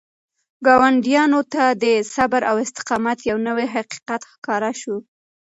ګاونډیانو ته د صبر او استقامت یو نوی حقیقت ښکاره شو.